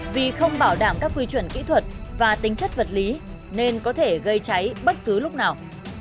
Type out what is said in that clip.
vì không bảo đảm các quy chuẩn kỹ thuật và tính chất vật lý nên có thể gây cháy bất cứ lúc nào